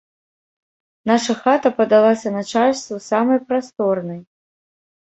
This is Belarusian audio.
Наша хата падалася начальству самай прасторнай.